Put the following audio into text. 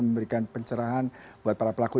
memberikan pencerahan buat para pelaku